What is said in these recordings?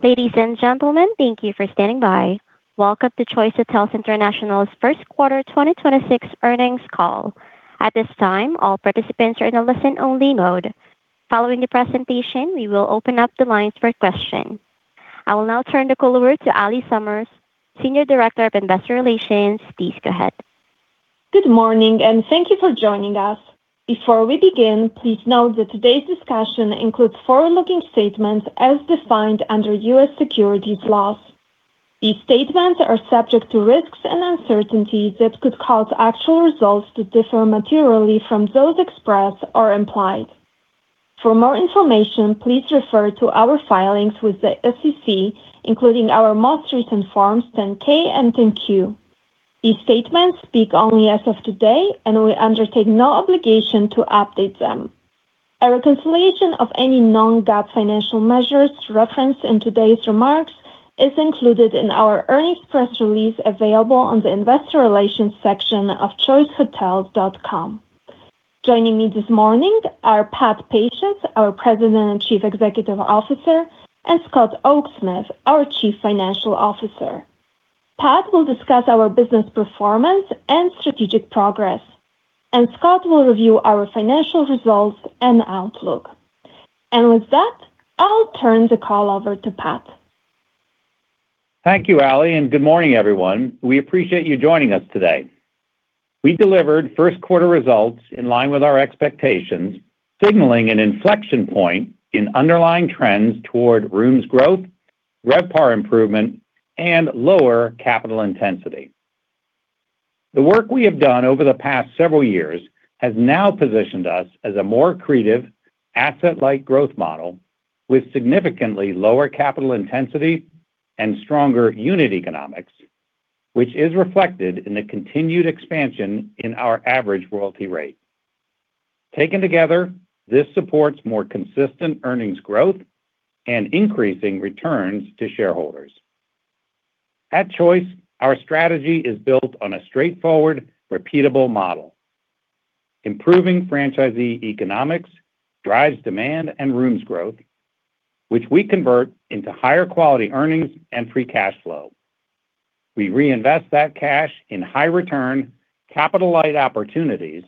Ladies and gentlemen, thank you for standing by. Welcome to Choice Hotels International's first quarter 2026 earnings call. At this time, all participants are in a listen only mode. Following the presentation, we will open up the lines for question. I will now turn the call over to Allie Summers, Senior Director, Investor Relations. Please go ahead. Good morning, and thank you for joining us. Before we begin, please note that today's discussion includes forward-looking statements as defined under U.S. securities laws. These statements are subject to risks and uncertainties that could cause actual results to differ materially from those expressed or implied. For more information, please refer to our filings with the SEC, including our most recent Form 10-K and Form 10-Q. These statements speak only as of today, and we undertake no obligation to update them. A reconciliation of any non-GAAP financial measures referenced in today's remarks is included in our earnings press release available on the investor relations section of choicehotels.com. Joining me this morning are Patrick Pacious, our President and Chief Executive Officer, and Scott Oaksmith, our Chief Financial Officer. Pat will discuss our business performance and strategic progress, and Scott will review our financial results and outlook. With that, I'll turn the call over to Pat. Thank you, Allie, and good morning, everyone. We appreciate you joining us today. We delivered first quarter results in line with our expectations, signaling an inflection point in underlying trends toward rooms growth, RevPAR improvement, and lower capital intensity. The work we have done over the past several years has now positioned us as a more creative asset-light growth model with significantly lower capital intensity and stronger unit economics, which is reflected in the continued expansion in our average royalty rate. Taken together, this supports more consistent earnings growth and increasing returns to shareholders. At Choice, our strategy is built on a straightforward, repeatable model. Improving franchisee economics drives demand and rooms growth, which we convert into higher quality earnings and free cash flow. We reinvest that cash in high return, capital light opportunities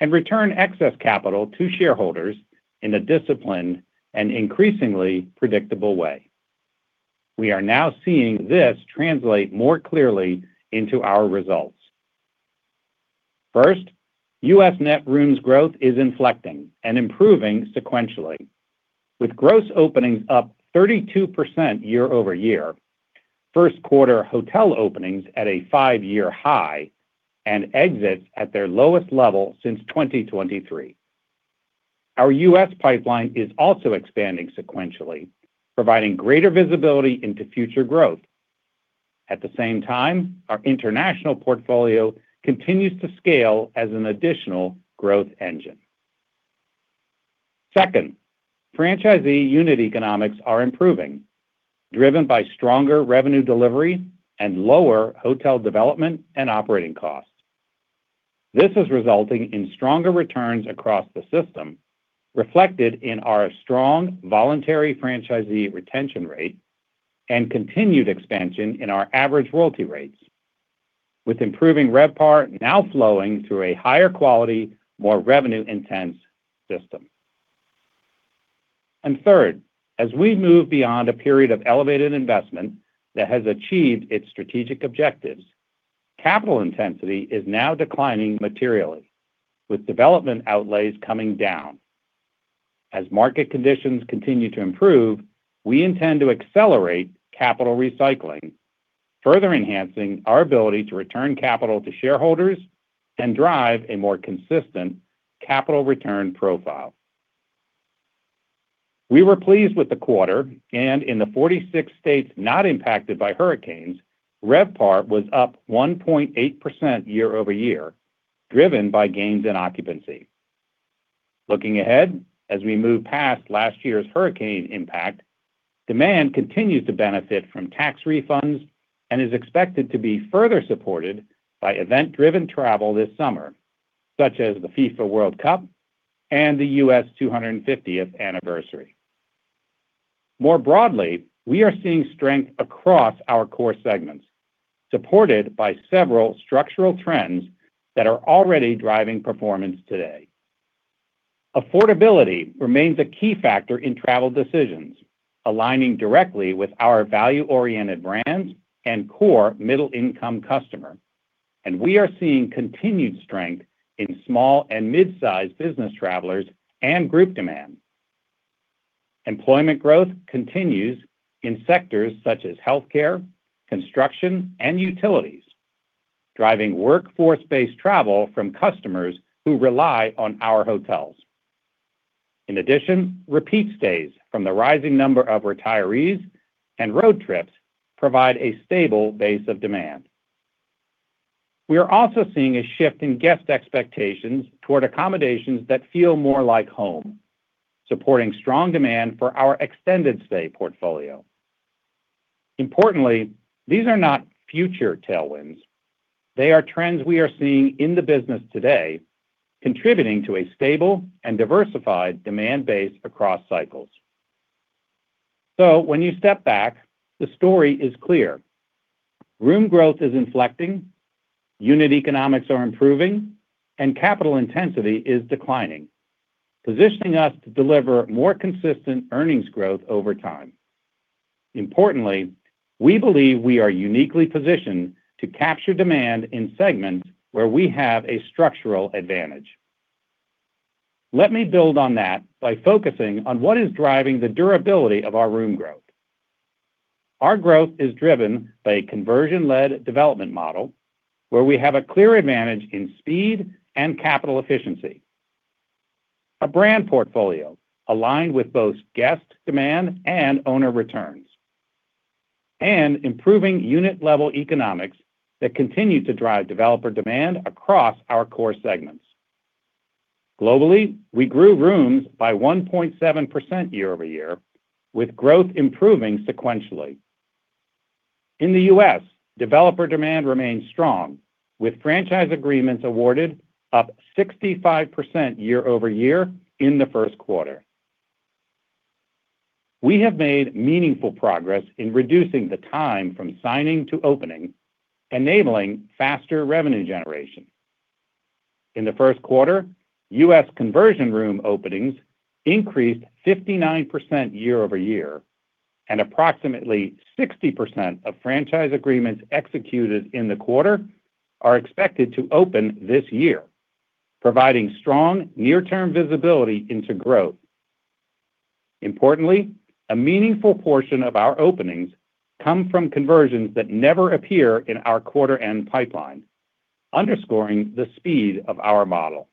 and return excess capital to shareholders in a disciplined and increasingly predictable way. We are now seeing this translate more clearly into our results. First, U.S. net rooms growth is inflecting and improving sequentially, with gross openings up 32% year-over-year, first quarter hotel openings at a five-year high and exits at their lowest level since 2023. Our U.S. pipeline is also expanding sequentially, providing greater visibility into future growth. At the same time, our international portfolio continues to scale as an additional growth engine. Second, franchisee unit economics are improving, driven by stronger revenue delivery and lower hotel development and operating costs. This is resulting in stronger returns across the system, reflected in our strong voluntary franchisee retention rate and continued expansion in our average royalty rates, with improving RevPAR now flowing through a higher quality, more revenue intense system. Third, as we move beyond a period of elevated investment that has achieved its strategic objectives, capital intensity is now declining materially with development outlays coming down. As market conditions continue to improve, we intend to accelerate capital recycling, further enhancing our ability to return capital to shareholders and drive a more consistent capital return profile. We were pleased with the quarter and in the 46 states not impacted by hurricanes, RevPAR was up 1.8% year-over-year, driven by gains in occupancy. Looking ahead, as we move past last year's hurricane impact, demand continues to benefit from tax refunds and is expected to be further supported by event-driven travel this summer, such as the FIFA World Cup and the U.S. 250th anniversary. More broadly, we are seeing strength across our core segments, supported by several structural trends that are already driving performance today. Affordability remains a key factor in travel decisions, aligning directly with our value-oriented brands and core middle income customer. We are seeing continued strength in small and mid-sized business travelers and group demand. Employment growth continues in sectors such as healthcare, construction, and utilities, driving workforce-based travel from customers who rely on our hotels. In addition, repeat stays from the rising number of retirees and road trips provide a stable base of demand. We are also seeing a shift in guest expectations toward accommodations that feel more like home, supporting strong demand for our extended stay portfolio. Importantly, these are not future tailwinds. They are trends we are seeing in the business today, contributing to a stable and diversified demand base across cycles. When you step back, the story is clear. Room growth is inflecting, unit economics are improving, and capital intensity is declining, positioning us to deliver more consistent earnings growth over time. Importantly, we believe we are uniquely positioned to capture demand in segments where we have a structural advantage. Let me build on that by focusing on what is driving the durability of our room growth. Our growth is driven by a conversion-led development model where we have a clear advantage in speed and capital efficiency. A brand portfolio aligned with both guest demand and owner returns, and improving unit-level economics that continue to drive developer demand across our core segments. Globally, we grew rooms by 1.7% year-over-year, with growth improving sequentially. In the U.S., developer demand remains strong, with franchise agreements awarded up 65% year-over-year in the first quarter. We have made meaningful progress in reducing the time from signing to opening, enabling faster revenue generation. In the first quarter, U.S. conversion room openings increased 59% year-over-year, and approximately 60% of franchise agreements executed in the quarter are expected to open this year, providing strong near-term visibility into growth. Importantly, a meaningful portion of our openings come from conversions that never appear in our quarter end pipeline, underscoring the speed of our model.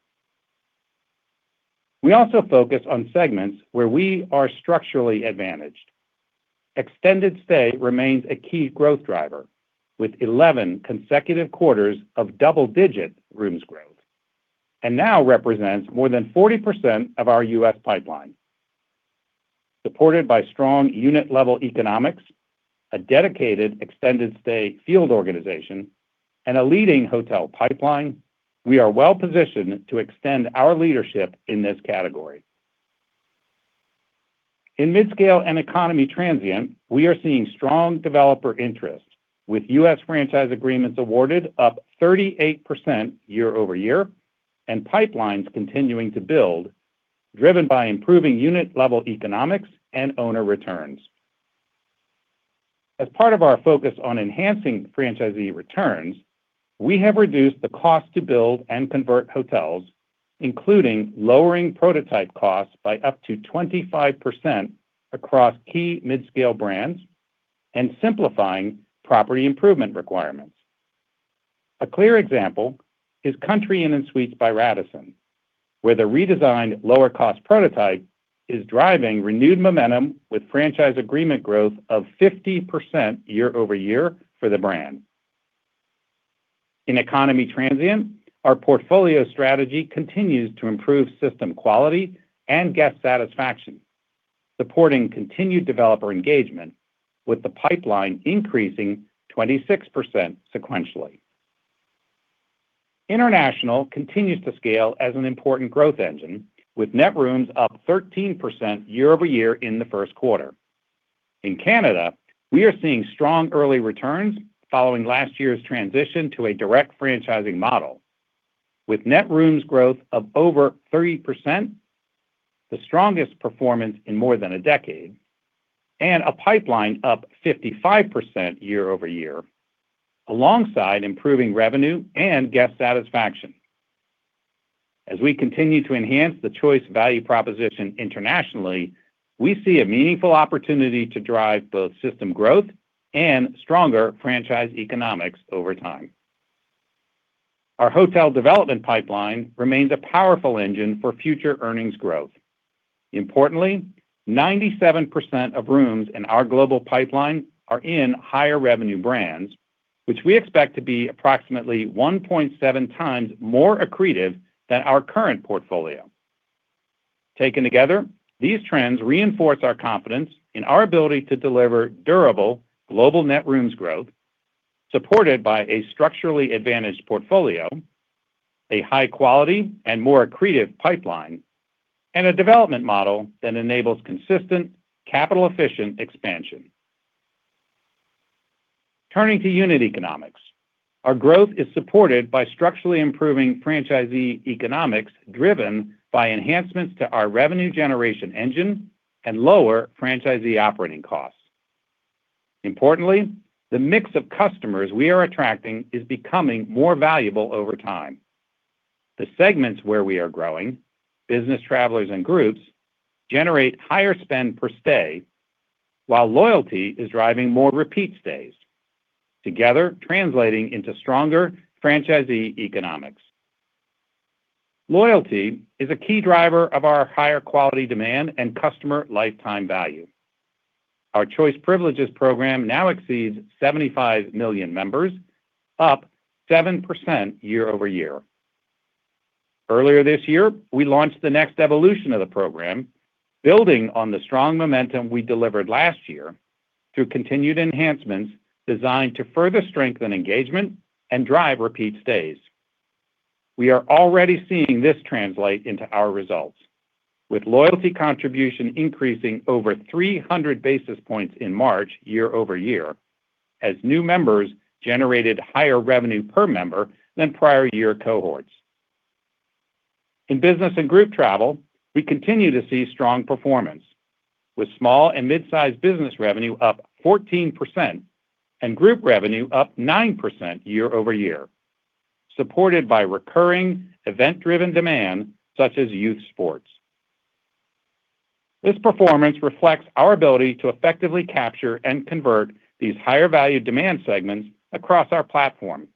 We also focus on segments where we are structurally advantaged. Extended Stay remains a key growth driver with 11 consecutive quarters of double-digit rooms growth and now represents more than 40% of our U.S. pipeline. Supported by strong unit-level economics, a dedicated Extended Stay field organization, and a leading hotel pipeline, we are well-positioned to extend our leadership in this category. In mid-scale and economy transient, we are seeing strong developer interest with U.S. franchise agreements awarded up 38% year-over-year and pipelines continuing to build, driven by improving unit-level economics and owner returns. As part of our focus on enhancing franchisee returns, we have reduced the cost to build and convert hotels, including lowering prototype costs by up to 25% across key midscale brands and simplifying property improvement requirements. A clear example is Country Inn & Suites by Radisson, where the redesigned lower cost prototype is driving renewed momentum with franchise agreement growth of 50% year-over-year for the brand. In economy transient, our portfolio strategy continues to improve system quality and guest satisfaction, supporting continued developer engagement with the pipeline increasing 26% sequentially. International continues to scale as an important growth engine with net rooms up 13% year-over-year in the 1st quarter. In Canada, we are seeing strong early returns following last year's transition to a direct franchising model with net rooms growth of over 30%, the strongest performance in more than a decade, and a pipeline up 55% year-over-year alongside improving revenue and guest satisfaction. As we continue to enhance the Choice value proposition internationally, we see a meaningful opportunity to drive both system growth and stronger franchise economics over time. Our hotel development pipeline remains a powerful engine for future earnings growth. Importantly, 97% of rooms in our global pipeline are in higher revenue brands, which we expect to be approximately 1.7 times more accretive than our current portfolio. Taken together, these trends reinforce our confidence in our ability to deliver durable global net rooms growth, supported by a structurally advantaged portfolio, a high quality and more accretive pipeline, and a development model that enables consistent capital-efficient expansion. Turning to unit economics. Our growth is supported by structurally improving franchisee economics, driven by enhancements to our revenue generation engine and lower franchisee operating costs. Importantly, the mix of customers we are attracting is becoming more valuable over time. The segments where we are growing, business travelers and groups, generate higher spend per stay while loyalty is driving more repeat stays, together translating into stronger franchisee economics. Loyalty is a key driver of our higher quality demand and customer lifetime value. Our Choice Privileges program now exceeds 75 million members, up 7% year-over-year. Earlier this year, we launched the next evolution of the program, building on the strong momentum we delivered last year through continued enhancements designed to further strengthen engagement and drive repeat stays. We are already seeing this translate into our results, with loyalty contribution increasing over 300 basis points in March year-over-year as new members generated higher revenue per member than prior year cohorts. In business and group travel, we continue to see strong performance, with small and mid-sized business revenue up 14% and group revenue up 9% year-over-year, supported by recurring event-driven demand such as youth sports. This performance reflects our ability to effectively capture and convert these higher value demand segments across our platform.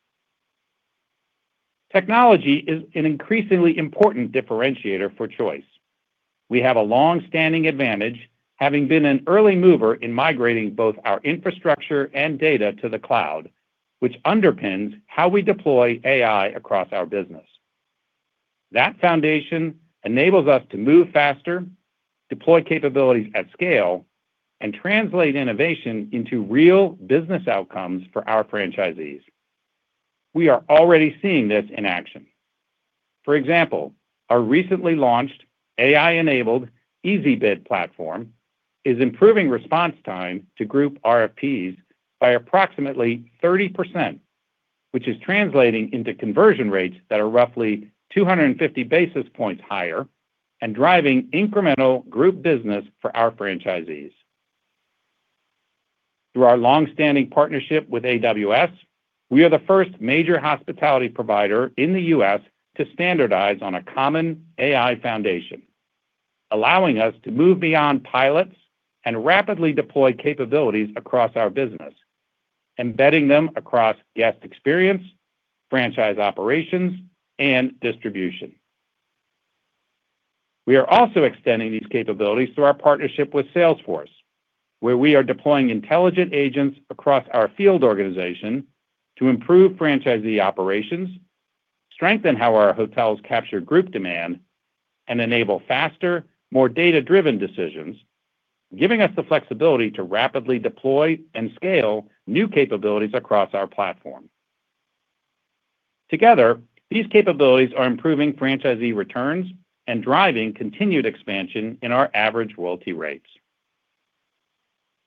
Technology is an increasingly important differentiator for Choice. We have a long-standing advantage having been an early mover in migrating both our infrastructure and data to the cloud, which underpins how we deploy AI across our business. That foundation enables us to move faster, deploy capabilities at scale, and translate innovation into real business outcomes for our franchisees. We are already seeing this in action. For example, our recently launched AI-enabled EasyBid platform is improving response time to group RFPs by approximately 30%, which is translating into conversion rates that are roughly 250 basis points higher and driving incremental group business for our franchisees. Through our long-standing partnership with AWS, we are the 1 major hospitality provider in the U.S. to standardize on a common AI foundation, allowing us to move beyond pilots and rapidly deploy capabilities across our business, embedding them across guest experience, franchise operations, and distribution. We are also extending these capabilities through our partnership with Salesforce, where we are deploying intelligent agents across our field organization to improve franchisee operations, strengthen how our hotels capture group demand, and enable faster, more data-driven decisions, giving us the flexibility to rapidly deploy and scale new capabilities across our platform. Together, these capabilities are improving franchisee returns and driving continued expansion in our average royalty rates.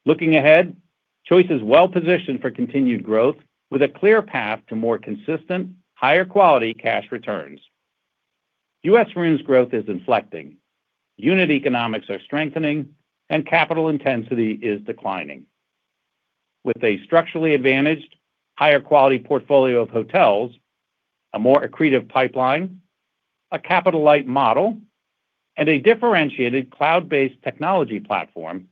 Looking ahead, Choice is well-positioned for continued growth with a clear path to more consistent, higher quality cash returns. U.S. rooms growth is inflecting, unit economics are strengthening, and capital intensity is declining. With a structurally advantaged, higher quality portfolio of hotels, a more accretive pipeline, a capital-light model, and a differentiated cloud-based technology platform,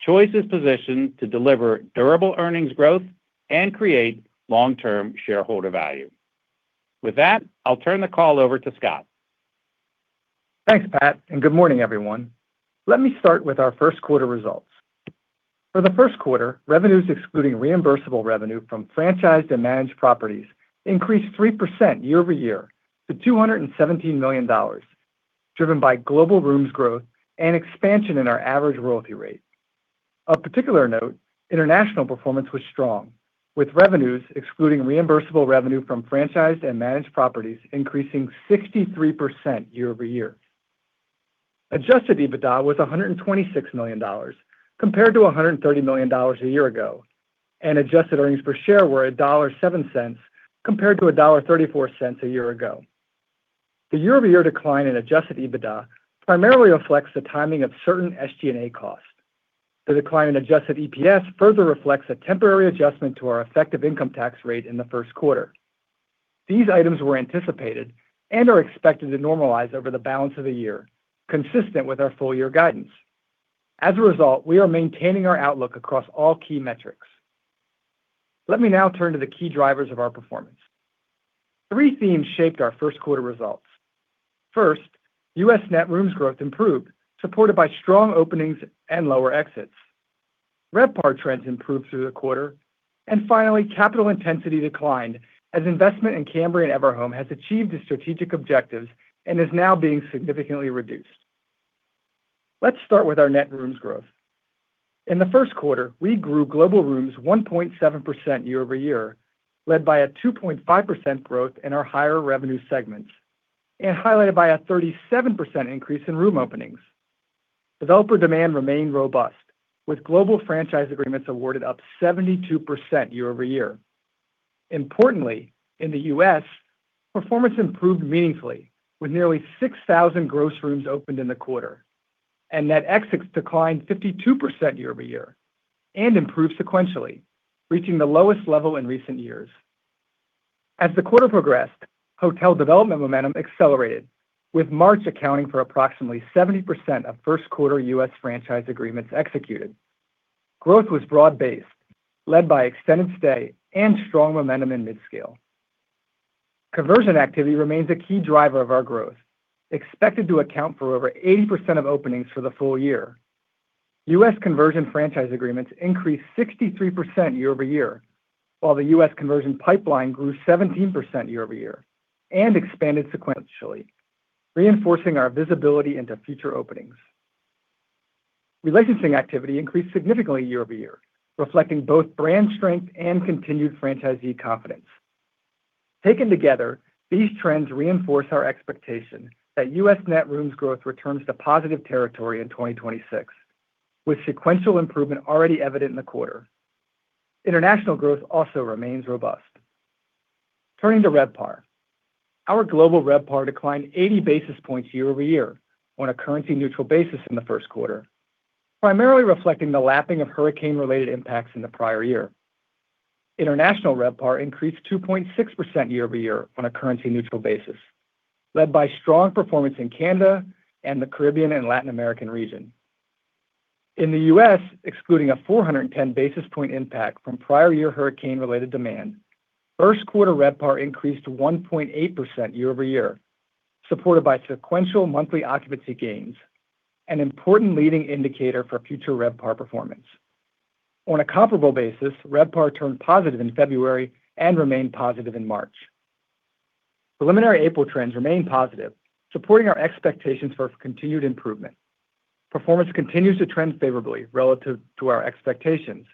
Choice is positioned to deliver durable earnings growth and create long-term shareholder value. With that, I'll turn the call over to Scott. Thanks, Pat. Good morning, everyone. Let me start with our first quarter results. For the first quarter, revenues excluding reimbursable revenue from franchised and managed properties increased 3% year-over-year to $217 million, driven by global rooms growth and expansion in our average royalty rate. Of particular note, international performance was strong, with revenues excluding reimbursable revenue from franchised and managed properties increasing 63% year-over-year. Adjusted EBITDA was $126 million compared to $130 million a year ago, and adjusted earnings per share were $1.07 compared to $1.34 a year ago. The year-over-year decline in adjusted EBITDA primarily reflects the timing of certain SG&A costs. The decline in adjusted EPS further reflects a temporary adjustment to our effective income tax rate in the first quarter. These items were anticipated and are expected to normalize over the balance of the year, consistent with our full year guidance. We are maintaining our outlook across all key metrics. Let me now turn to the key drivers of our performance. Three themes shaped our first quarter results. First, U.S. net rooms growth improved, supported by strong openings and lower exits. RevPAR trends improved through the quarter. Finally, capital intensity declined as investment in Cambria and Everhome has achieved its strategic objectives and is now being significantly reduced. Let's start with our net rooms growth. In the first quarter, we grew global rooms 1.7% year-over-year, led by a 2.5% growth in our higher revenue segments, and highlighted by a 37% increase in room openings. Developer demand remained robust, with global franchise agreements awarded up 72% year-over-year. Importantly, in the U.S., performance improved meaningfully with nearly 6,000 gross rooms opened in the quarter. Net exits declined 52% year-over-year and improved sequentially, reaching the lowest level in recent years. As the quarter progressed, hotel development momentum accelerated with March accounting for approximately 70% of first quarter U.S. franchise agreements executed. Growth was broad-based, led by extended stay and strong momentum in mid-scale. Conversion activity remains a key driver of our growth, expected to account for over 80% of openings for the full year. U.S. conversion franchise agreements increased 63% year-over-year, while the U.S. conversion pipeline grew 17% year-over-year and expanded sequentially, reinforcing our visibility into future openings. Relicensing activity increased significantly year-over-year, reflecting both brand strength and continued franchisee confidence. Taken together, these trends reinforce our expectation that U.S. net rooms growth returns to positive territory in 2026, with sequential improvement already evident in the quarter. International growth also remains robust. Turning to RevPAR. Our global RevPAR declined 80 basis points year-over-year on a currency neutral basis in the first quarter, primarily reflecting the lapping of hurricane related impacts in the prior year. International RevPAR increased 2.6% year-over-year on a currency neutral basis, led by strong performance in Canada and the Caribbean and Latin American region. In the U.S., excluding a 410 basis point impact from prior year hurricane related demand, first quarter RevPAR increased to 1.8% year-over-year, supported by sequential monthly occupancy gains, an important leading indicator for future RevPAR performance. On a comparable basis, RevPAR turned positive in February and remained positive in March. Preliminary April trends remain positive, supporting our expectations for continued improvement. Performance continues to trend favorably relative to our expectations,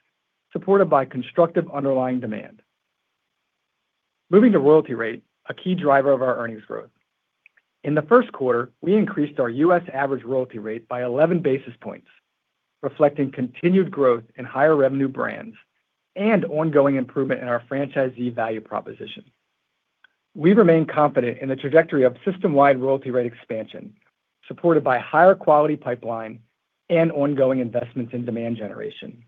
supported by constructive underlying demand. Moving to royalty rate, a key driver of our earnings growth. In the first quarter, we increased our U.S. average royalty rate by 11 basis points, reflecting continued growth in higher revenue brands and ongoing improvement in our franchisee value proposition. We remain confident in the trajectory of system-wide royalty rate expansion, supported by higher quality pipeline and ongoing investments in demand generation.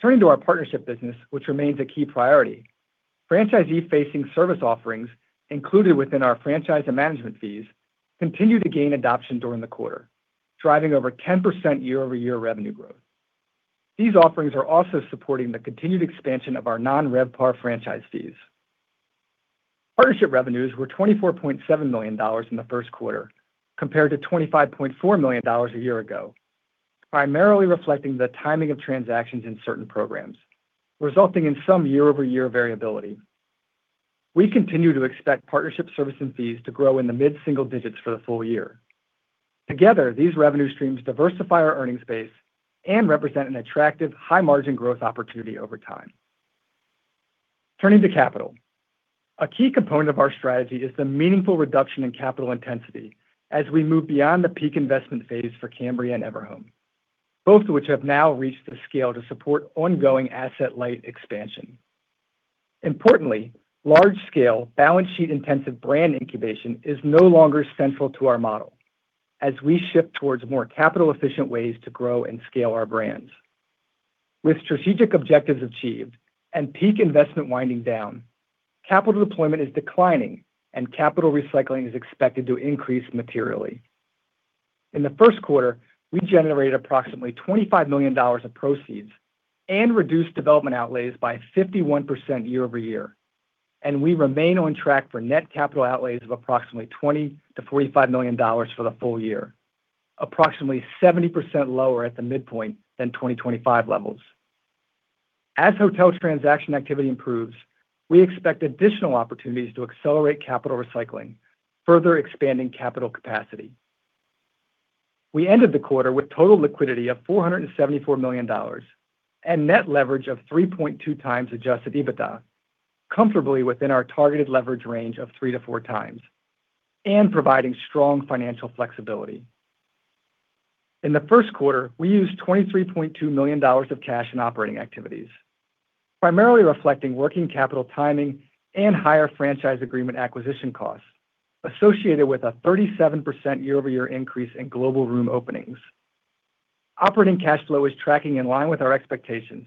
Turning to our partnership business, which remains a key priority. Franchisee facing service offerings included within our franchise and management fees continue to gain adoption during the quarter, driving over 10% year-over-year revenue growth. These offerings are also supporting the continued expansion of our non-RevPAR franchise fees. Partnership revenues were $24.7 million in the first quarter compared to $25.4 million a year ago, primarily reflecting the timing of transactions in certain programs, resulting in some year-over-year variability. We continue to expect partnership service and fees to grow in the mid-single digits for the full year. Together, these revenue streams diversify our earnings base and represent an attractive high margin growth opportunity over time. Turning to capital. A key component of our strategy is the meaningful reduction in capital intensity as we move beyond the peak investment phase for Cambria and Everhome, both of which have now reached the scale to support ongoing asset light expansion. Large scale balance sheet intensive brand incubation is no longer central to our model as we shift towards more capital efficient ways to grow and scale our brands. With strategic objectives achieved and peak investment winding down, capital deployment is declining and capital recycling is expected to increase materially. In the first quarter, we generated approximately $25 million of proceeds and reduced development outlays by 51% year-over-year, and we remain on track for net capital outlays of approximately $20 million-$45 million for the full year, approximately 70% lower at the midpoint than 2025 levels. As hotels transaction activity improves, we expect additional opportunities to accelerate capital recycling, further expanding capital capacity. We ended the quarter with total liquidity of $474 million and net leverage of 3.2x adjusted EBITDA, comfortably within our targeted leverage range of 3x-4x, and providing strong financial flexibility. In the first quarter, we used $23.2 million of cash in operating activities, primarily reflecting working capital timing and higher franchise agreement acquisition costs associated with a 37% year-over-year increase in global room openings. Operating cash flow is tracking in line with our expectations,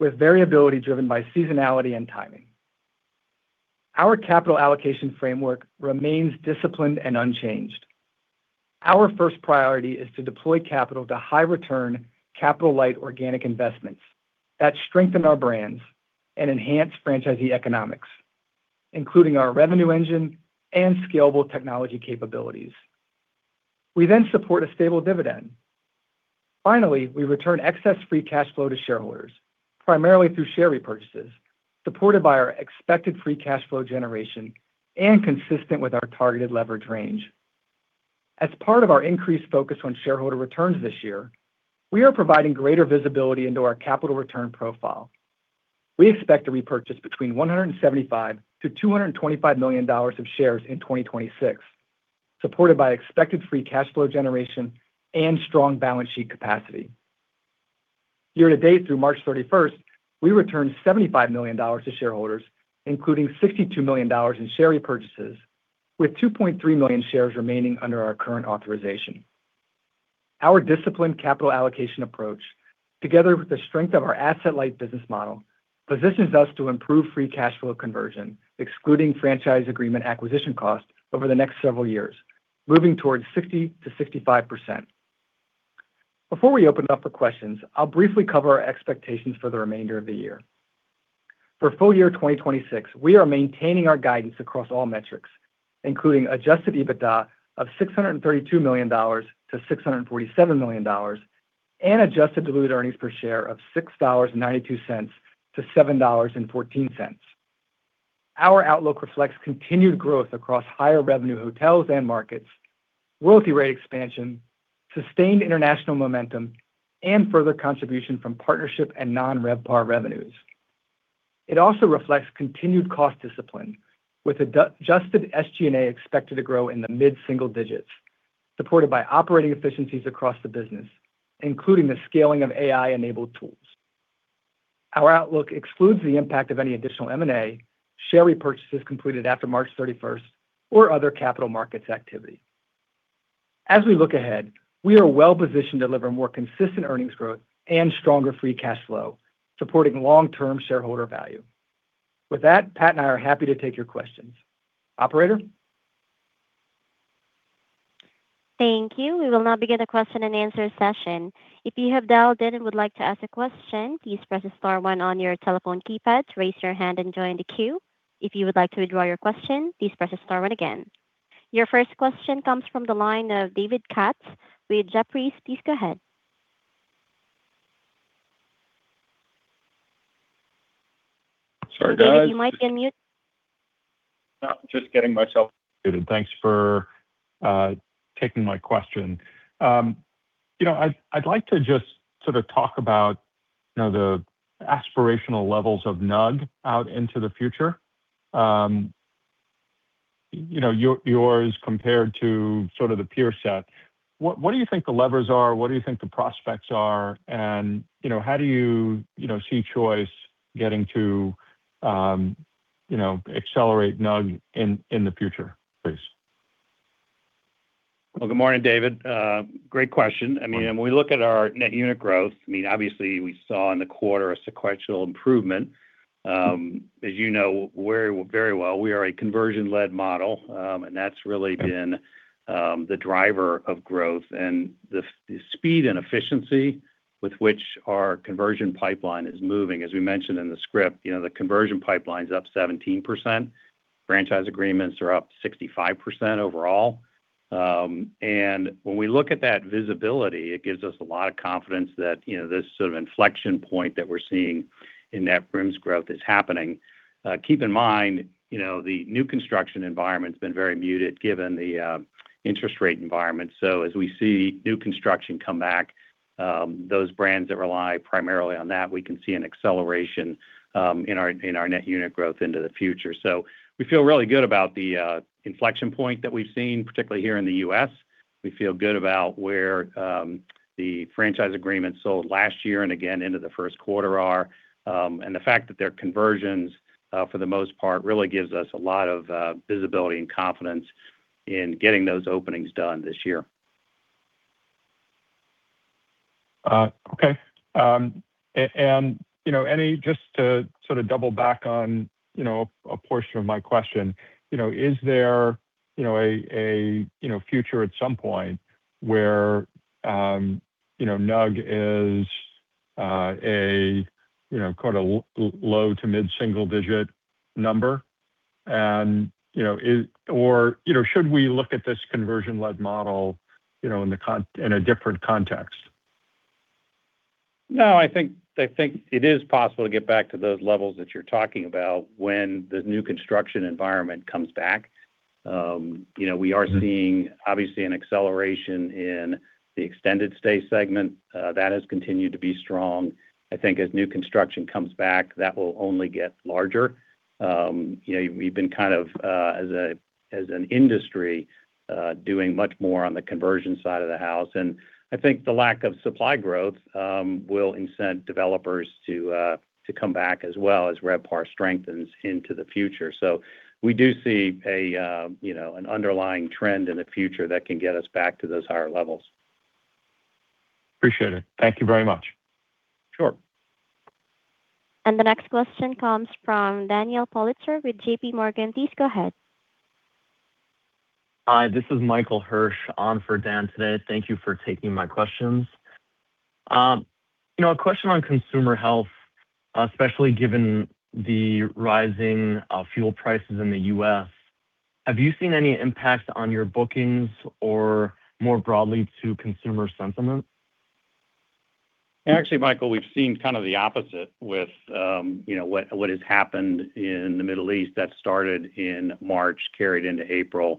with variability driven by seasonality and timing. Our capital allocation framework remains disciplined and unchanged. Our first priority is to deploy capital to high return capital light organic investments that strengthen our brands and enhance franchisee economics, including our revenue engine and scalable technology capabilities. We support a stable dividend. Finally, we return excess free cash flow to shareholders, primarily through share repurchases, supported by our expected free cash flow generation and consistent with our targeted leverage range. As part of our increased focus on shareholder returns this year, we are providing greater visibility into our capital return profile. We expect to repurchase between $175 million-$225 million of shares in 2026, supported by expected free cash flow generation and strong balance sheet capacity. Year to date through March 31st, we returned $75 million to shareholders, including $62 million in share repurchases, with 2.3 million shares remaining under our current authorization. Our disciplined capital allocation approach, together with the strength of our asset light business model, positions us to improve free cash flow conversion, excluding franchise agreement acquisition costs over the next several years, moving towards 60%-65%. Before we open up for questions, I'll briefly cover our expectations for the remainder of the year. For full year 2026, we are maintaining our guidance across all metrics, including adjusted EBITDA of $632 million-$647 million and adjusted diluted earnings per share of $6.92-$7.14. Our outlook reflects continued growth across higher revenue hotels and markets, royalty rate expansion, sustained international momentum, and further contribution from partnership and non-RevPAR revenues. It also reflects continued cost discipline with adjusted SG&A expected to grow in the mid-single digits, supported by operating efficiencies across the business, including the scaling of AI-enabled tools. Our outlook excludes the impact of any additional M&A, share repurchases completed after March 31st, or other capital markets activity. As we look ahead, we are well positioned to deliver more consistent earnings growth and stronger free cash flow, supporting long-term shareholder value. With that, Pat and I are happy to take your questions. Operator? Thank you. We will now begin the question and answer session. If you have dialed in and would like to ask a question, please press star one on your telephone keypad to raise your hand and join the queue. If you would like to withdraw your question, please press star one again. Your first question comes from the line of David Katz with Jefferies. Please go ahead. Sorry, guys. David, you might be on mute. No, just getting myself muted. Thanks for taking my question. You know, I'd like to just sort of talk about, you know, the aspirational levels of NUG out into the future. You know, yours compared to sort of the peer set. What do you think the levers are? What do you think the prospects are? How do you know, see Choice getting to, you know, accelerate NUG in the future, please? Well, good morning, David. Great question. I mean, when we look at our net unit growth, I mean obviously we saw in the quarter a sequential improvement. As you know, very, very well, we are a conversion-led model. That's really been the driver of growth and the speed and efficiency with which our conversion pipeline is moving. As we mentioned in the script, you know, the conversion pipeline's up 17%. Franchise agreements are up 65% overall. When we look at that visibility, it gives us a lot of confidence that, you know, this sort of inflection point that we're seeing in net rooms growth is happening. Keep in mind, you know, the new construction environment's been very muted given the interest rate environment. As we see new construction come back, those brands that rely primarily on that, we can see an acceleration in our net unit growth into the future. We feel really good about the inflection point that we've seen, particularly here in the U.S. We feel good about where the franchise agreements sold last year and again into the first quarter are. The fact that they're conversions, for the most part really gives us a lot of visibility and confidence in getting those openings done this year. Okay. You know, any Just to sort of double back on, you know, a portion of my question, you know, is there, you know, a, you know, future at some point where, you know, NUG is, a, you know, call it a low to mid-single digit number? Or, you know, should we look at this conversion-led model, you know, in a different context? No, I think it is possible to get back to those levels that you're talking about when the new construction environment comes back. You know, we are seeing obviously an acceleration in the extended stay segment. That has continued to be strong. I think as new construction comes back, that will only get larger. You know, we've been kind of as an industry doing much more on the conversion side of the house. I think the lack of supply growth will incent developers to come back as well as RevPAR strengthens into the future. We do see a, you know, an underlying trend in the future that can get us back to those higher levels. Appreciate it. Thank you very much. Sure. The next question comes from Daniel Politzer with JPMorgan. Please go ahead. Hi, this is Michael Hirsh on for Dan today. Thank you for taking my questions. You know, a question on consumer health, especially given the rising fuel prices in the U.S. Have you seen any impact on your bookings or more broadly to consumer sentiment? Actually, Michael, we've seen kind of the opposite with, you know, what has happened in the Middle East that started in March, carried into April.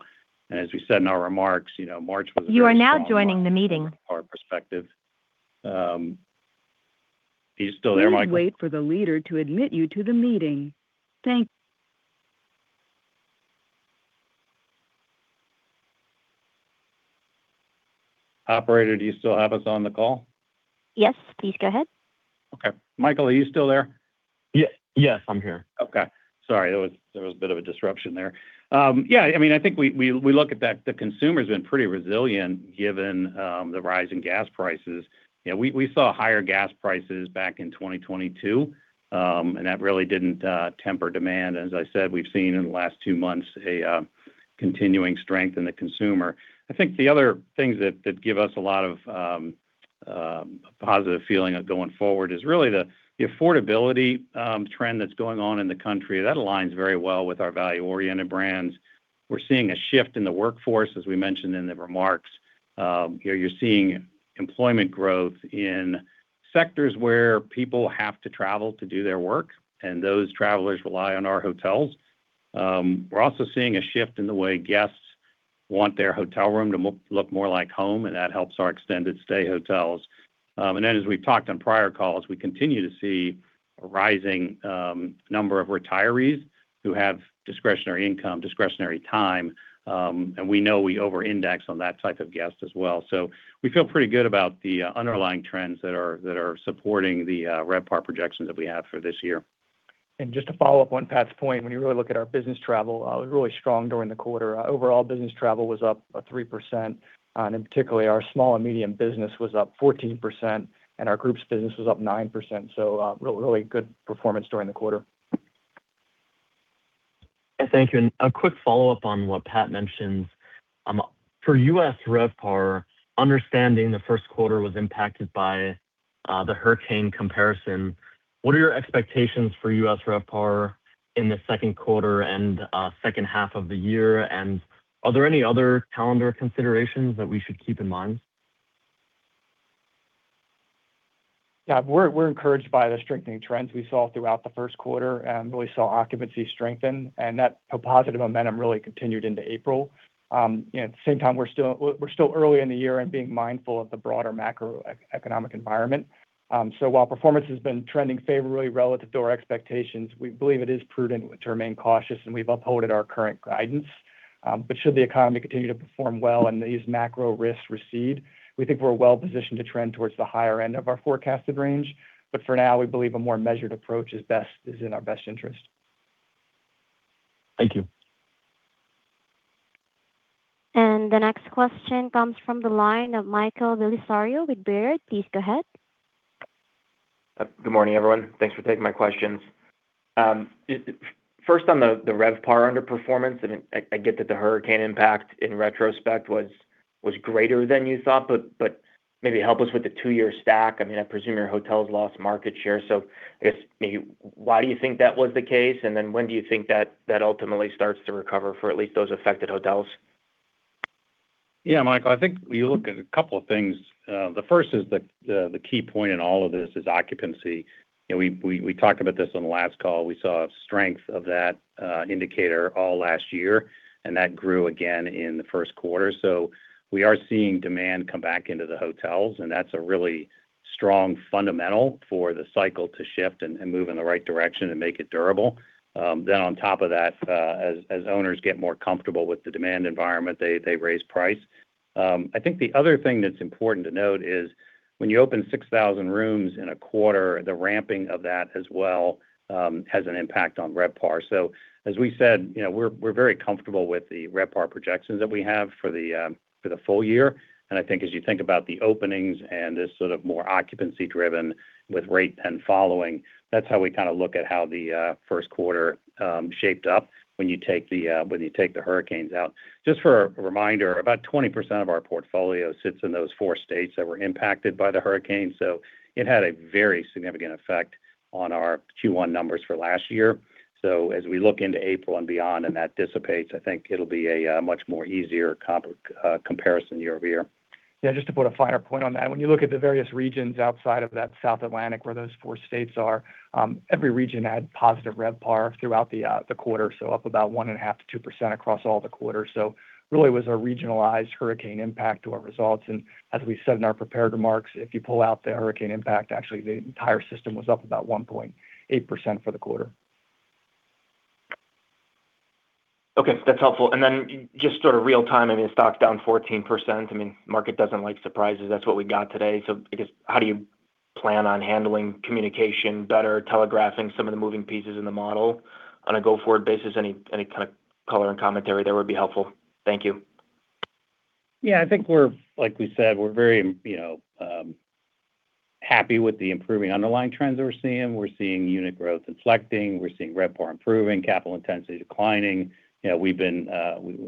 As we said in our remarks, you know, March was a very strong monthr of our perspective. Please wait for the leader to admit you to the meeting. Are you still there, Michael? Please wait for the leader to admit you to the meeting. Thank you. Operator, do you still have us on the call? Yes, please go ahead. Okay. Michael, are you still there? Yes, I'm here. Okay. Sorry, there was a bit of a disruption there. Yeah, I mean, I think we look at that the consumer's been pretty resilient given the rise in gas prices. You know, we saw higher gas prices back in 2022, that really didn't temper demand. As I said, we've seen in the last two months a continuing strength in the consumer. I think the other things that give us a lot of a positive feeling of going forward is really the affordability trend that's going on in the country. That aligns very well with our value-oriented brands. We're seeing a shift in the workforce, as we mentioned in the remarks. You know, you're seeing employment growth in sectors where people have to travel to do their work, and those travelers rely on our hotels. We're also seeing a shift in the way guests want their hotel room to look more like home, and that helps our extended stay hotels. As we've talked on prior calls, we continue to see a rising number of retirees who have discretionary income, discretionary time, and we know we over-index on that type of guest as well. We feel pretty good about the underlying trends that are supporting the RevPAR projections that we have for this year. Just to follow up on Pat's point, when you really look at our business travel, was really strong during the quarter. Overall business travel was up 3%, and in particularly our small and medium business was up 14%, and our groups business was up 9%. Really good performance during the quarter. Thank you. A quick follow-up on what Pat mentioned. For U.S. RevPAR, understanding the first quarter was impacted by the hurricane comparison, what are your expectations for U.S. RevPAR in the second quarter and second half of the year? Are there any other calendar considerations that we should keep in mind? Yeah. We're encouraged by the strengthening trends we saw throughout the first quarter and really saw occupancy strengthen, and that positive momentum really continued into April. You know, at the same time, we're still early in the year and being mindful of the broader macroeconomic environment. While performance has been trending favorably relative to our expectations, we believe it is prudent to remain cautious, and we've upheld our current guidance. Should the economy continue to perform well and these macro risks recede, we think we're well positioned to trend towards the higher end of our forecasted range. For now, we believe a more measured approach is best, is in our best interest. Thank you. The next question comes from the line of Michael Bellisario with Baird. Please go ahead. Good morning, everyone. Thanks for taking my questions. First on the RevPAR underperformance, and I get that the hurricane impact in retrospect was greater than you thought, but maybe help us with the two-year stack. I mean, I presume your hotels lost market share. I guess maybe why do you think that was the case, and then when do you think that ultimately starts to recover for at least those affected hotels? Yeah, Michael, I think when you look at a couple of things, the first is the key point in all of this is occupancy. You know, we talked about this on the last call. We saw a strength of that indicator all last year, and that grew again in the first quarter. We are seeing demand come back into the hotels, and that's a really strong fundamental for the cycle to shift and move in the right direction and make it durable. On top of that, as owners get more comfortable with the demand environment, they raise price. I think the other thing that's important to note is when you open 6,000 rooms in a quarter, the ramping of that as well has an impact on RevPAR. As we said, you know, we're very comfortable with the RevPAR projections that we have for the full year. I think as you think about the openings and this sort of more occupancy driven with rate and following, that's how we kinda look at how the first quarter shaped up when you take the hurricanes out. Just for a reminder, about 20% of our portfolio sits in those four states that were impacted by the hurricane, so it had a very significant effect on our Q1 numbers for last year. As we look into April and beyond and that dissipates, I think it'll be a much more easier comparison year-over-year. Yeah, just to put a finer point on that. When you look at the various regions outside of that South Atlantic where those four states are, every region had positive RevPAR throughout the quarter, so up about 1.5%-2% across all the quarters. Really it was a regionalized hurricane impact to our results. As we said in our prepared remarks, if you pull out the hurricane impact, actually the entire system was up about 1.8% for the quarter. Okay. That's helpful. Then just sort of real time, I mean, the stock's down 14%. I mean, market doesn't like surprises. That's what we got today. I guess how do you plan on handling communication better, telegraphing some of the moving pieces in the model on a go-forward basis? Any kind of color and commentary there would be helpful. Thank you. Yeah. I think like we said, we're very, you know, happy with the improving underlying trends that we're seeing. We're seeing unit growth inflecting. We're seeing RevPAR improving, capital intensity declining. You know, we've been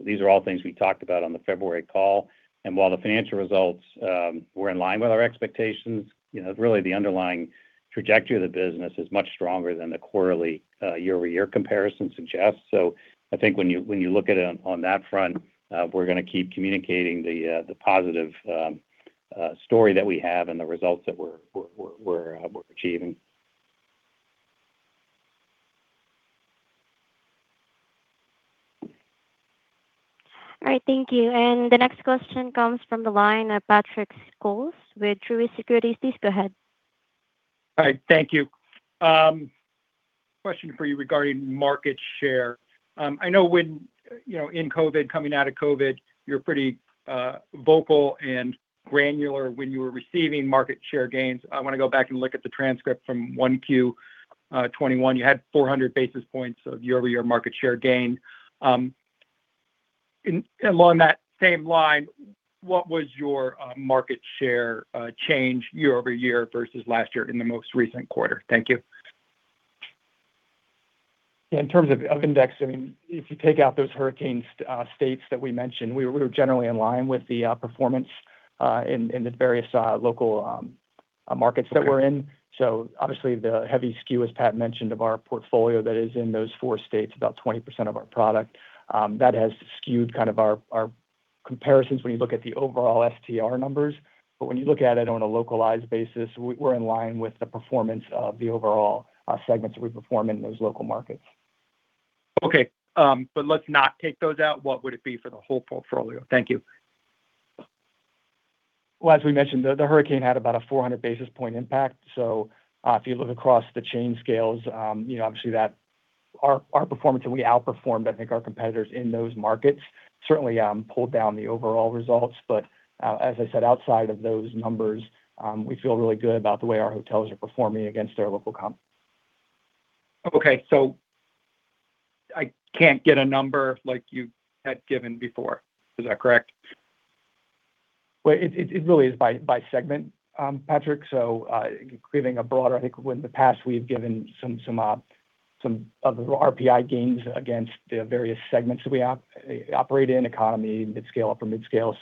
these are all things we talked about on the February call. While the financial results were in line with our expectations, you know, really the underlying trajectory of the business is much stronger than the quarterly year-over-year comparison suggests. I think when you look at it on that front, we're gonna keep communicating the positive story that we have and the results that we're achieving. All right. Thank you. The next question comes from the line of Patrick Scholes with Truist Securities. Please go ahead. All right. Thank you. Question for you regarding market share. I know when, you know, in COVID, coming out of COVID, you were pretty vocal and granular when you were receiving market share gains. I wanna go back and look at the transcript from 1Q 2021. You had 400 basis points of year-over-year market share gain. Along that same line, what was your market share change year-over-year versus last year in the most recent quarter? Thank you. In terms of index, if you take out those hurricane states that we mentioned, we were generally in line with the performance in the various local markets that we're in. Obviously the heavy skew, as Pat mentioned, of our portfolio that is in those four states, about 20% of our product, that has skewed our comparisons when you look at the overall STR numbers. When you look at it on a localized basis, we're in line with the performance of the overall segments that we perform in those local markets. Okay. Let's not take those out, what would it be for the whole portfolio? Thank you. As we mentioned, the hurricane had about a 400 basis point impact. If you look across the chain scales, you know, obviously Our performance, and we outperformed, I think, our competitors in those markets certainly, pulled down the overall results. As I said, outside of those numbers, we feel really good about the way our hotels are performing against their local comp. Okay. I can't get a number like you had given before. Is that correct? Well, it really is by segment, Patrick. I think in the past we've given some of the RPI gains against the various segments that we operate in economy, mid scale, upper mid scale.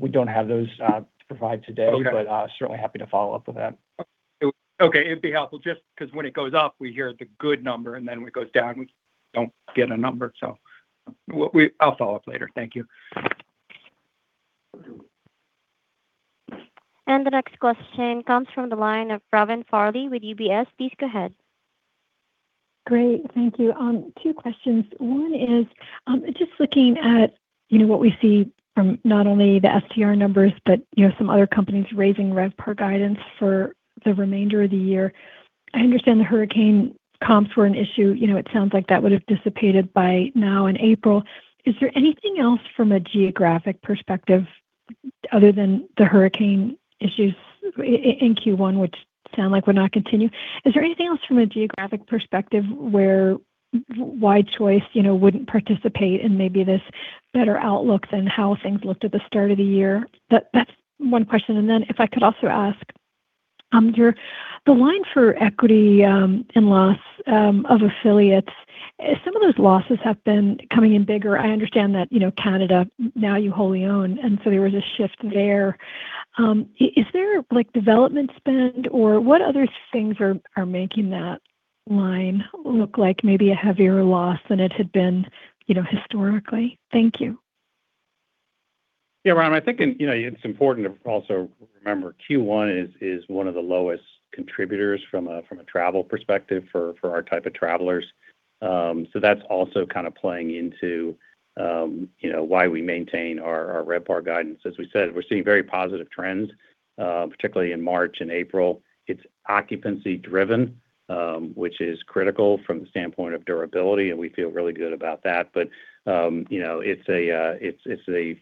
We don't have those to provide today. Okay. Certainly happy to follow up with that. Okay. It'd be helpful just 'cause when it goes up, we hear the good number, and then when it goes down, we don't get a number. I'll follow up later. Thank you. The next question comes from the line of Robin Farley with UBS. Please go ahead. Great. Thank you. Two questions. One is, just looking at, you know, what we see from not only the STR numbers, but, you know, some other companies raising RevPAR guidance for the remainder of the year. I understand the hurricane comps were an issue. You know, it sounds like that would have dissipated by now in April. Is there anything else from a geographic perspective other than the hurricane issues in Q1, which sound like would not continue? Is there anything else from a geographic perspective where why Choice, you know, wouldn't participate in maybe this better outlook than how things looked at the start of the year? That's one question. If I could also ask, the line for equity, and loss, of affiliates, some of those losses have been coming in bigger. I understand that, you know, Canada now you wholly own. There was a shift there. Is there, like, development spend, or what other things are making that line look like maybe a heavier loss than it had been, you know, historically? Thank you. Robin, you know, it's important to also remember Q1 is one of the lowest contributors from a travel perspective for our type of travelers. That's also kind of playing into, you know, why we maintain our RevPAR guidance. As we said, we're seeing very positive trends, particularly in March and April. It's occupancy driven, which is critical from the standpoint of durability, and we feel really good about that. You know, it's a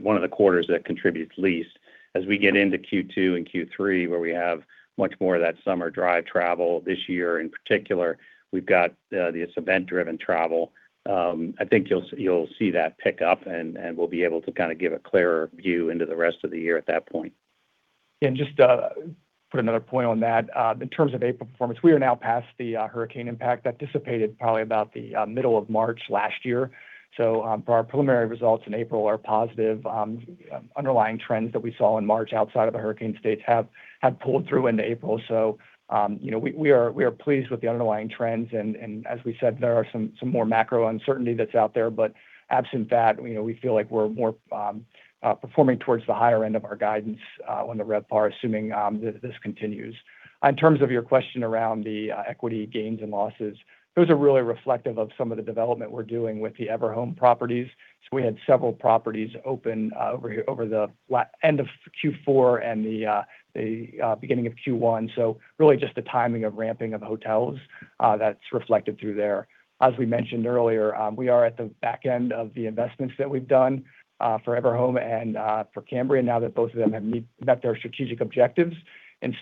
one of the quarters that contributes least. As we get into Q2 and Q3, where we have much more of that summer drive travel this year, in particular, we've got this event-driven travel. I think you'll see that pick up, and we'll be able to kind of give a clearer view into the rest of the year at that point. Just to put another point on that, in terms of April performance, we are now past the hurricane impact. That dissipated probably about the middle of March last year. Our preliminary results in April are positive. Underlying trends that we saw in March outside of the hurricane states have pulled through into April. You know, we are pleased with the underlying trends and as we said, there are some more macro uncertainty that's out there. Absent that, you know, we feel like we're more performing towards the higher end of our guidance on the RevPAR, assuming this continues. In terms of your question around the equity gains and losses, those are really reflective of some of the development we're doing with the Everhome properties. We had several properties open over the end of Q4 and the beginning of Q1. Really just the timing of ramping of hotels, that's reflected through there. As we mentioned earlier, we are at the back end of the investments that we've done for Everhome and for Cambria now that both of them have met their strategic objectives.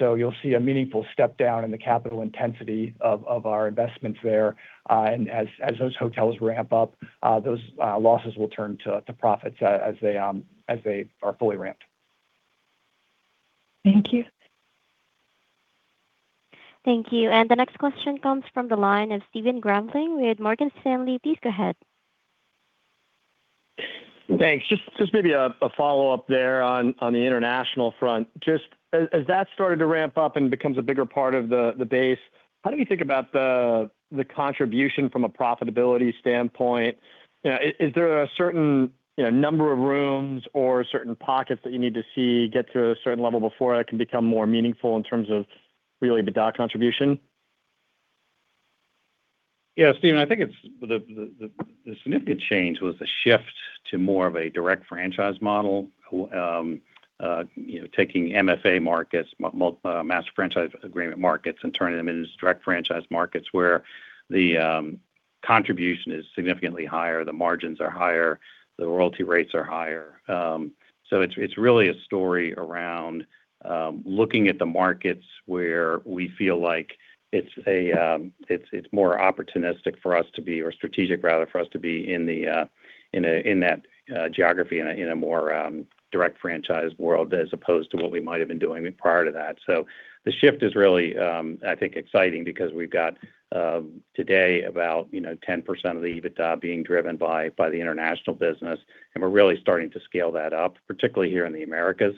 You'll see a meaningful step down in the capital intensity of our investments there. As those hotels ramp up, those losses will turn to profits as they are fully ramped. Thank you. Thank you. The next question comes from the line of Stephen Grambling with Morgan Stanley. Please go ahead. Thanks. Just maybe a follow-up there on the international front. As that started to ramp up and becomes a bigger part of the base, how do you think about the contribution from a profitability standpoint? You know, is there a certain, you know, number of rooms or certain pockets that you need to see get to a certain level before that can become more meaningful in terms of really the EBITDA contribution? Yeah, Stephen, I think it's the significant change was the shift to more of a direct franchise model, you know, taking MFA markets, master franchise agreement markets and turning them into direct franchise markets where the contribution is significantly higher, the margins are higher, the royalty rates are higher. It's really a story around looking at the markets where we feel like it's a more opportunistic for us to be, or strategic rather, for us to be in the in a in that geography, in a in a more direct franchise world as opposed to what we might have been doing prior to that. The shift is really, I think exciting because we've got today about, you know, 10% of the EBITDA being driven by the international business, and we're really starting to scale that up, particularly here in the Americas.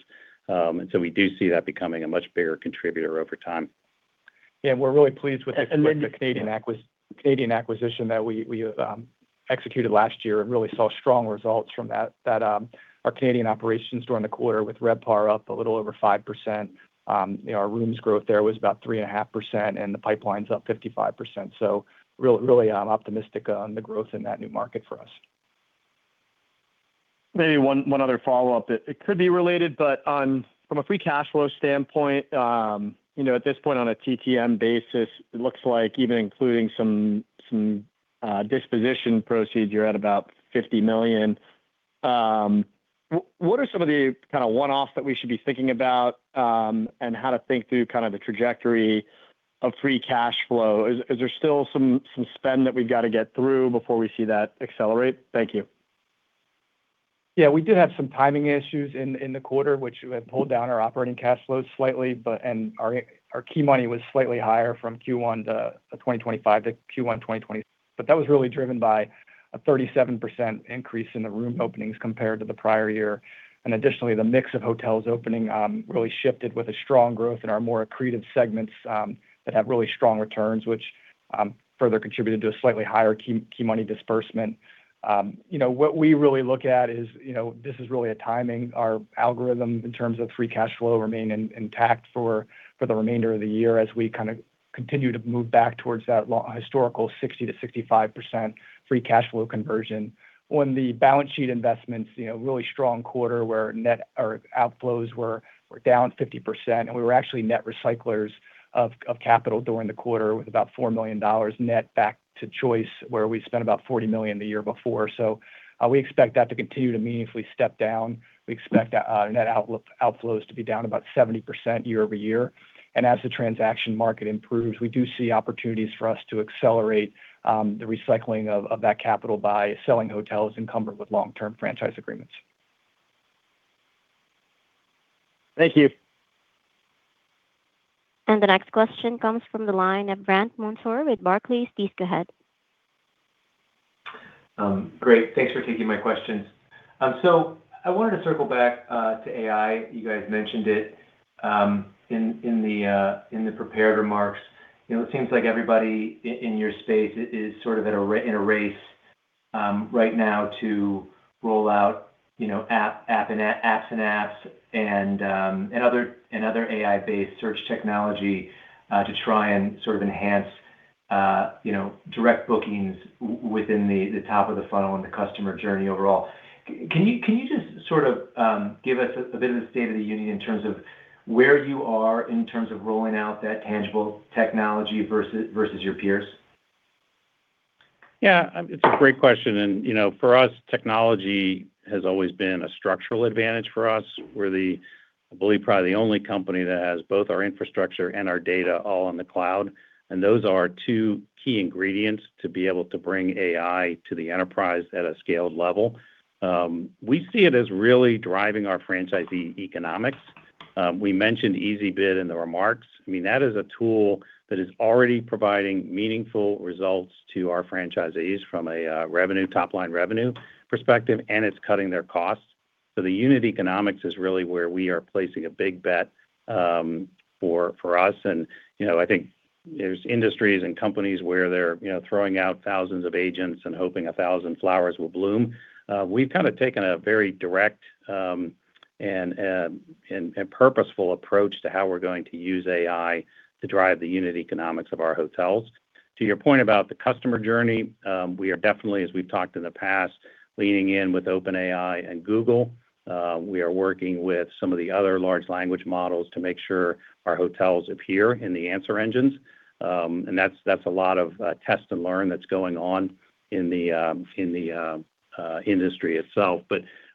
We do see that becoming a much bigger contributor over time. We're really pleased with. The Canadian acquisition that we executed last year and really saw strong results from that. Our Canadian operations during the quarter with RevPAR up a little over 5%. You know, our rooms growth there was about 3.5%, and the pipeline's up 55%. Really optimistic on the growth in that new market for us. Maybe one other follow-up. It could be related, but from a free cash flow standpoint, you know, at this point on a TTM basis, it looks like even including some disposition proceeds, you're at about $50 million. What are some of the kinda one-offs that we should be thinking about, and how to think through kind of the trajectory of free cash flow? Is there still some spend that we've gotta get through before we see that accelerate? Thank you. Yeah. We did have some timing issues in the quarter, which have pulled down our operating cash flows slightly. Our key money was slightly higher from Q1 2025-Q1 2020. That was really driven by a 37% increase in the room openings compared to the prior year. Additionally, the mix of hotels opening really shifted with a strong growth in our more accretive segments that have really strong returns, which further contributed to a slightly higher key money disbursement. You know, what we really look at is, you know, this is really a timing. Our algorithm in terms of free cash flow remain intact for the remainder of the year as we kinda continue to move back towards that historical 60%-65% free cash flow conversion. On the balance sheet investments, you know, really strong quarter where our outflows were down 50%, we were actually net recyclers of capital during the quarter with about $4 million net back to Choice, where we spent about $40 million the year before. We expect that to continue to meaningfully step down. We expect net outflows to be down about 70% year-over-year. As the transaction market improves, we do see opportunities for us to accelerate the recycling of that capital by selling hotels encumbered with long-term franchise agreements. Thank you. The next question comes from the line of Brandt Montour with Barclays. Please go ahead. Great. Thanks for taking my questions. I wanted to circle back to AI. You guys mentioned it in the prepared remarks. You know, it seems like everybody in your space is sort of at a race right now to roll out, you know, app and apps and other AI-based search technology to try and sort of enhance, you know, direct bookings within the top of the funnel and the customer journey overall. Can you, can you just sort of give us a bit of the state of the union in terms of where you are in terms of rolling out that tangible technology versus your peers? Yeah. It's a great question. You know, for us, technology has always been a structural advantage for us. We're the, I believe, probably the only one company that has both our infrastructure and our data all in the cloud, and those are two key ingredients to be able to bring AI to the enterprise at a scaled level. We see it as really driving our franchisee economics. We mentioned EasyBid in the remarks. I mean, that is a tool that is already providing meaningful results to our franchisees from a revenue, top-line revenue perspective, and it's cutting their costs. The unit economics is really where we are placing a big bet for us. You know, I think there's industries and companies where they're, you know, throwing out thousands of agents and hoping 1,000 flowers will bloom. We've taken a very direct and purposeful approach to how we're going to use AI to drive the unit economics of our hotels. To your point about the customer journey, we are definitely, as we've talked in the past, leaning in with OpenAI and Google. We are working with some of the other large language models to make sure our hotels appear in the answer engines. That's a lot of test and learn that's going on in the industry itself.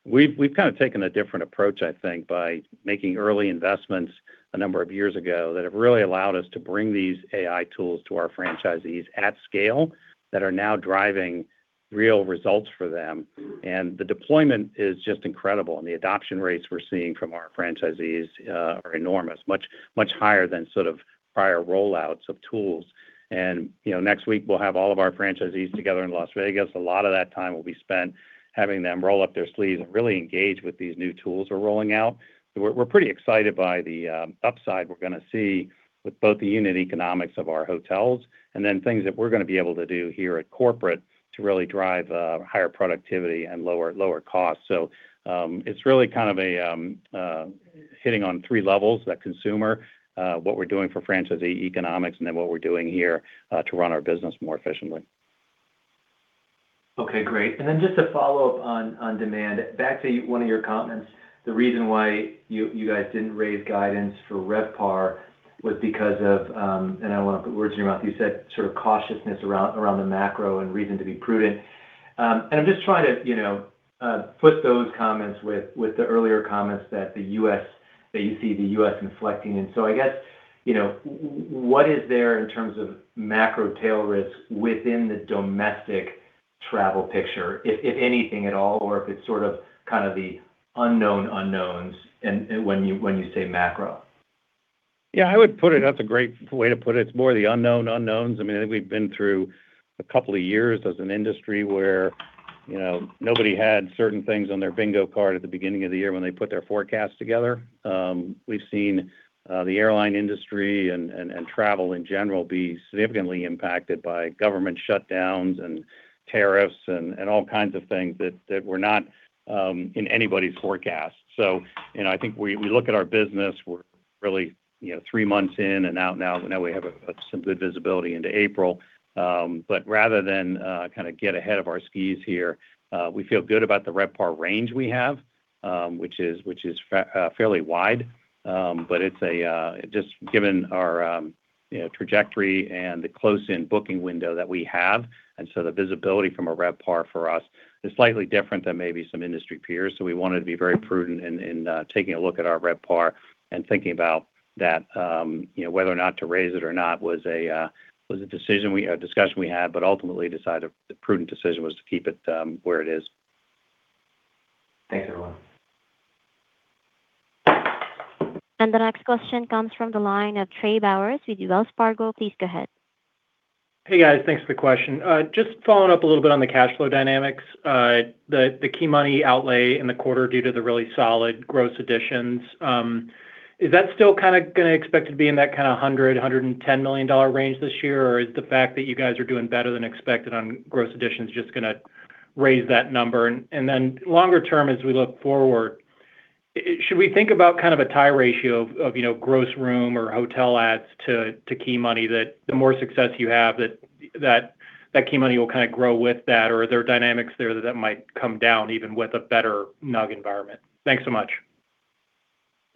We've taken a different approach, I think, by making early investments a number of years ago that have really allowed us to bring these AI tools to our franchisees at scale that are now driving real results for them. The deployment is just incredible, and the adoption rates we're seeing from our franchisees are enormous. Much, much higher than sort of prior rollouts of tools. You know, next week we'll have all of our franchisees together in Las Vegas. A lot of that time will be spent having them roll up their sleeves and really engage with these new tools we're rolling out. We're pretty excited by the upside we're gonna see with both the unit economics of our hotels and then things that we're gonna be able to do here at corporate to really drive higher productivity and lower costs. It's really kind of a hitting on three levels, that consumer, what we're doing for franchisee economics, and then what we're doing here to run our business more efficiently. Okay. Great. Just a follow-up on demand. Back to one of your comments, the reason why you guys didn't raise guidance for RevPAR was because of, and I don't want to put words in your mouth, you said sort of cautiousness around the macro and reason to be prudent. I'm just trying to, you know, put those comments with the earlier comments that you see the U.S. inflecting. I guess, you know, what is there in terms of macro tail risk within the domestic travel picture, if anything at all, or if it's sort of kind of the unknown unknowns and when you say macro? Yeah, that's a great way to put it. It's more the unknown unknowns. I mean, I think we've been through a couple of years as an industry where, you know, nobody had certain things on their bingo card at the beginning of the year when they put their forecast together. We've seen the airline industry and travel in general be significantly impacted by government shutdowns and tariffs and all kinds of things that were not in anybody's forecast. You know, I think we look at our business, we're really, you know, three months in, and now we have a simple visibility into April. Rather than kind of get ahead of our skis here, we feel good about the RevPAR range we have, which is fairly wide. Just given our, you know, trajectory and the close-in booking window that we have, and so the visibility from a RevPAR for us is slightly different than maybe some industry peers. We wanted to be very prudent in taking a look at our RevPAR and thinking about that, you know, whether or not to raise it or not was a discussion we had, but ultimately decided the prudent decision was to keep it where it is. Thanks, everyone. The next question comes from the line of Trey Bowers with Wells Fargo. Please go ahead. Hey, guys. Thanks for the question. Just following up a little bit on the cash flow dynamics. The key money outlay in the quarter due to the really solid gross additions, is that still kinda going to expect to be in that kinda $100 million-$110 million range this year, or is the fact that you guys are doing better than expected on gross additions just going to raise that number? Then longer term as we look forward, should we think about kind of a tie ratio of, you know, gross room or hotel ads to key money that the more success you have, that key money will kind of grow with that? Or are there dynamics there that might come down even with a better NUG environment? Thanks so much.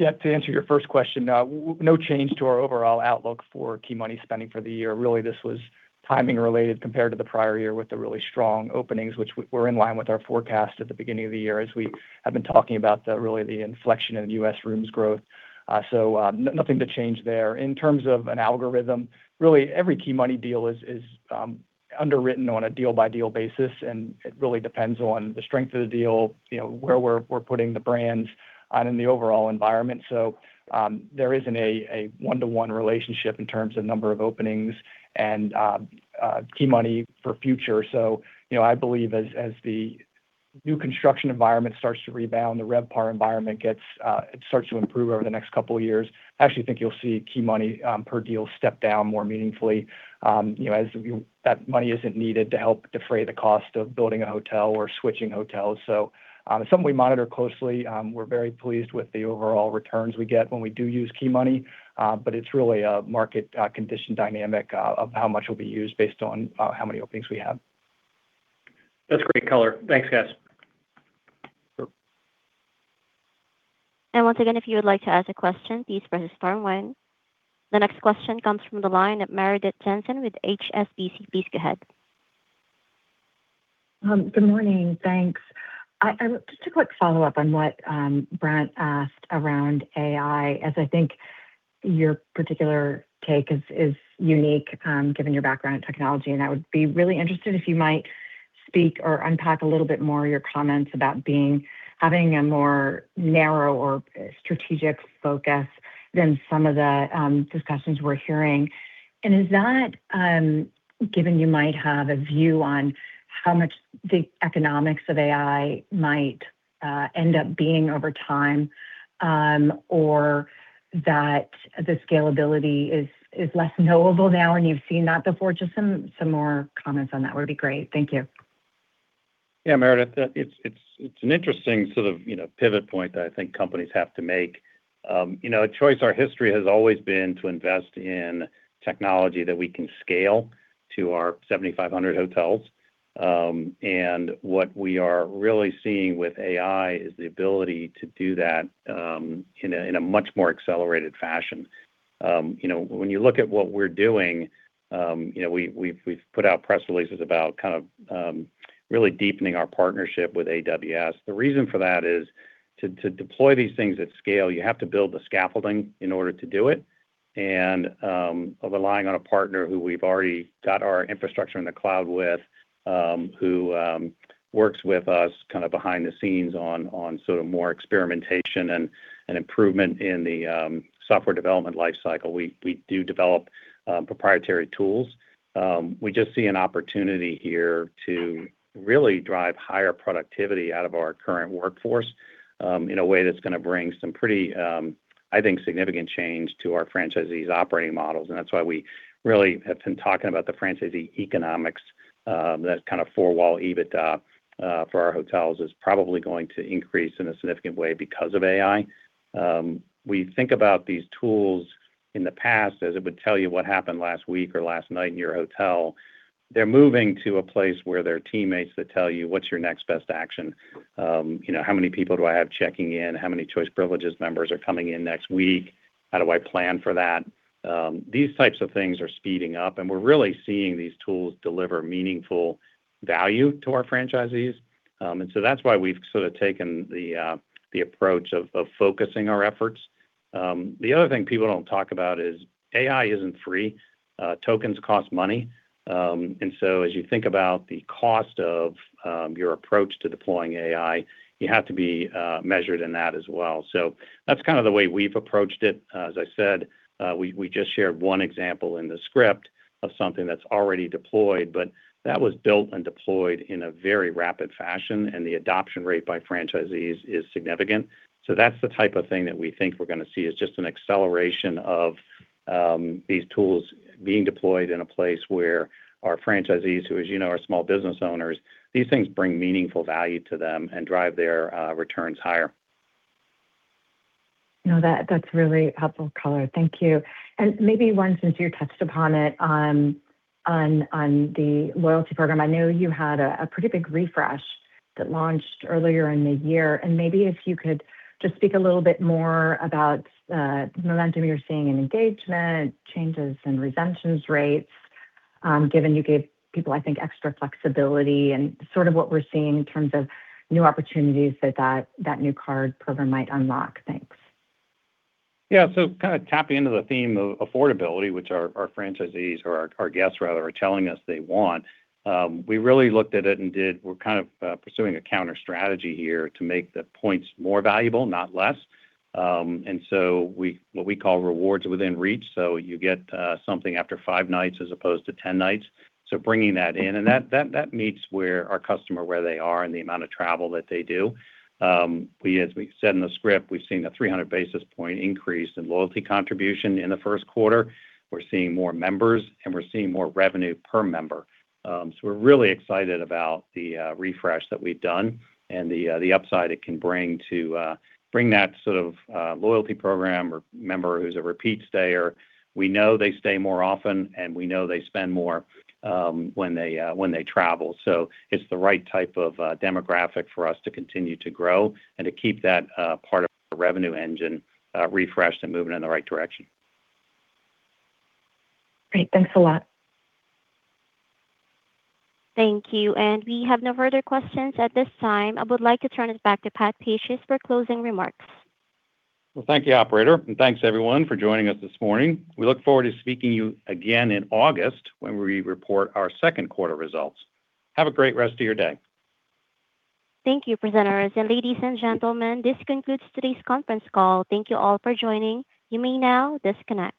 To answer your first question, no change to our overall outlook for key money spending for the year. This was timing related compared to the prior year with the really strong openings, which were in line with our forecast at the beginning of the year as we have been talking about the, really, the inflection in U.S. rooms growth. Nothing to change there. In terms of an algorithm, really every key money deal is underwritten on a deal-by-deal basis, and it really depends on the strength of the deal, you know, where we're putting the brands and in the overall environment. There isn't a one-to-one relationship in terms of number of openings and key money for future. You know, I believe as the new construction environment starts to rebound, the RevPAR environment gets, it starts to improve over the next two years. I actually think you'll see key money per deal step down more meaningfully, you know, that money isn't needed to help defray the cost of building a hotel or switching hotels. Something we monitor closely. We're very pleased with the overall returns we get when we do use key money. It's really a market condition dynamic of how much will be used based on how many openings we have. That's great color. Thanks, guys. Sure. Once again, if you would like to ask a question, please press star one. The next question comes from the line of Meredith Jensen with HSBC. Please go ahead. Good morning. Thanks. Just a quick follow-up on what Brandt asked around AI, as I think your particular take is unique, given your background in technology. I would be really interested if you might speak or unpack a little bit more your comments about having a more narrow or strategic focus than some of the discussions we're hearing. Is that, given you might have a view on how much the economics of AI might end up being over time, or that the scalability is less knowable now and you've seen that before? Just some more comments on that would be great. Thank you. Yeah, Meredith. It's an interesting sort of, you know, pivot point that I think companies have to make. You know, at Choice our history has always been to invest in technology that we can scale to our 7,500 hotels. What we are really seeing with AI is the ability to do that in a much more accelerated fashion. You know, when you look at what we're doing, you know, we've put out press releases about kind of really deepening our partnership with AWS. The reason for that is to deploy these things at scale, you have to build the scaffolding in order to do it. Relying on a partner who we've already got our infrastructure in the cloud with, who works with us kind of behind the scenes on more experimentation and improvement in the software development life cycle. We do develop proprietary tools. We just see an opportunity here to really drive higher productivity out of our current workforce in a way that's gonna bring some pretty, I think significant change to our franchisees' operating models. That's why we really have been talking about the franchisee economics, that kind of four-wall EBITDA for our hotels is probably going to increase in a significant way because of AI. We think about these tools in the past as it would tell you what happened last week or last night in your hotel. They're moving to a place where there are teammates that tell you what's your next best action. You know, how many people do I have checking in? How many Choice Privileges members are coming in next week? How do I plan for that? These types of things are speeding up, and we're really seeing these tools deliver meaningful value to our franchisees. That's why we've sort of taken the approach of focusing our efforts. The other thing people don't talk about is AI isn't free. Tokens cost money. As you think about the cost of your approach to deploying AI, you have to be measured in that as well. That's kind of the way we've approached it. As I said, we just shared one example in the script of something that's already deployed, but that was built and deployed in a very rapid fashion, and the adoption rate by franchisees is significant. That's the type of thing that we think we're gonna see, is just an acceleration of these tools being deployed in a place where our franchisees, who, as you know, are small business owners, these things bring meaningful value to them and drive their returns higher. No, that's really helpful color. Thank you. Maybe, Ron, since you touched upon it on the loyalty program, I know you had a pretty big refresh that launched earlier in the year. Maybe if you could just speak a little bit more about the momentum you're seeing in engagement, changes in retention rates, given you gave people, I think, extra flexibility, and sort of what we're seeing in terms of new opportunities that new card program might unlock. Thanks. Yeah. Kind of tapping into the theme of affordability, which our franchisees or our guests, rather, are telling us they want, we're kind of pursuing a counter-strategy here to make the points more valuable, not less. What we call Rewards Within Reach, so you get something after five nights as opposed to 10 nights. Bringing that in. That meets our customer where they are and the amount of travel that they do. We, as we said in the script, we've seen a 300 basis point increase in loyalty contribution in the first quarter. We're seeing more members, and we're seeing more revenue per member. We're really excited about the refresh that we've done and the upside it can bring to bring that sort of loyalty program or member who's a repeat stayer. We know they stay more often, and we know they spend more when they when they travel. It's the right type of demographic for us to continue to grow and to keep that part of the revenue engine refreshed and moving in the right direction. Great. Thanks a lot. Thank you. We have no further questions at this time. I would like to turn us back to Patrick Pacious for closing remarks. Well, thank you, operator, and thanks everyone for joining us this morning. We look forward to speaking to you again in August when we report our second quarter results. Have a great rest of your day. Thank you, presenters. Ladies and gentlemen, this concludes today's conference call. Thank you all for joining. You may now disconnect.